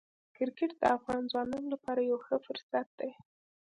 کرکټ د افغان ځوانانو لپاره یو ښه فرصت دی.